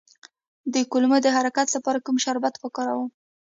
د کولمو د حرکت لپاره کوم شربت وکاروم؟